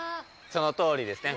そのとおりですね。